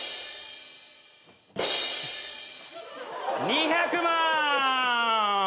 ２００万！